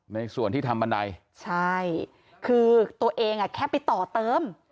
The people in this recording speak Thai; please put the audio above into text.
ในส่วนที่ทำบันไดใช่คือตัวเองอ่ะแค่ไปต่อเติม